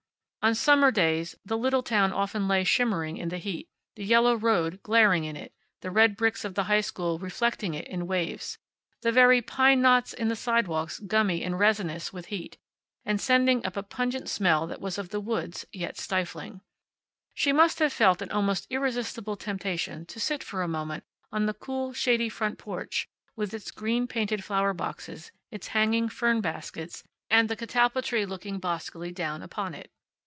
On summer days the little town often lay shimmering in the heat, the yellow road glaring in it, the red bricks of the high school reflecting it in waves, the very pine knots in the sidewalks gummy and resinous with heat, and sending up a pungent smell that was of the woods, and yet stifling. She must have felt an almost irresistible temptation to sit for a moment on the cool, shady front porch, with its green painted flower boxes, its hanging fern baskets and the catalpa tree looking boskily down upon it.